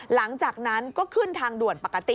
หลังจากนั้นก็ขึ้นทางด่วนปกติ